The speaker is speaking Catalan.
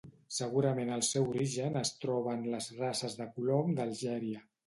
Segurament el seu origen es troba en les races de colom d'Algèria.